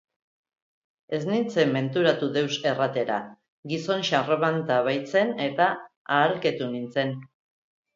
Ez nintzen menturatu deus erratera, gizon xarmanta baitzen eta ahalketu nintzen.